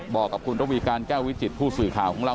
บอกกับคุณระวีการแก้ววิจิตผู้สื่อข่าวของเรา